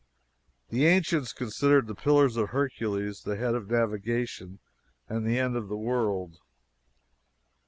The ancients considered the Pillars of Hercules the head of navigation and the end of the world.